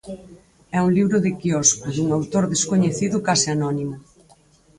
É un libro de quiosco, dun autor descoñecido, case anónimo.